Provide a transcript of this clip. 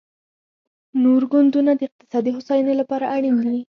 نور ګوندونه د اقتصادي هوساینې لپاره اړین دي